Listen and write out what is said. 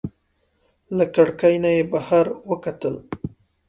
له کړکۍ نه یې بهر کتل.